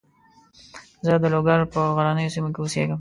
زه د لوګر په غرنیو سیمو کې اوسېږم.